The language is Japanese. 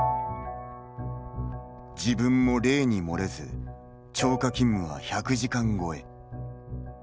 自分も例に漏れず超過勤務は１００時間超え。